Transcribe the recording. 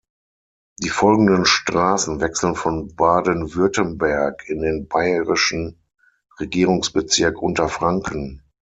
Die folgenden Straßen wechseln von Baden-Württemberg in den bayerischen Regierungsbezirk Unterfranken.